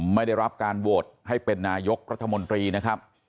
ไม่ได้รับการโหวตให้เป็นนายกรัฐมนตรีนะครับ